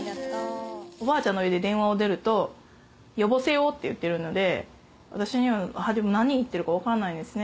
おばあちゃんの家で電話を出ると「ヨボセヨ」って言ってるので私には何言ってるか分からないんですね。